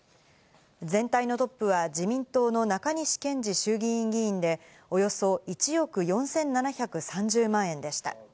全体のトップは自民党の中西健治衆議院議員で、およそ１億４７３０万円でした。